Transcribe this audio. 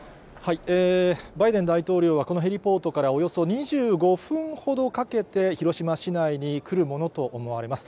バイデン大統領はこのヘリポートからおよそ２５分ほどかけて、広島市内に来るものと思われます。